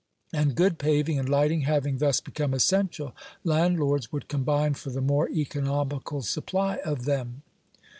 And good paving and lighting having thus become essential, landlords would combine for the more economical supply of them.